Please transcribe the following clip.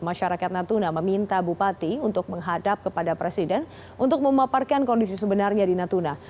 masyarakat natuna meminta bupati untuk menghadap kepada presiden untuk memaparkan kondisi sebenarnya di natuna